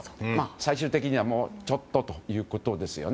最終的には、もうちょっとということですよね。